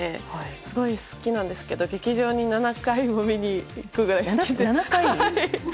すごい好きなんですけど劇場に７回も見に行くくらい好きで。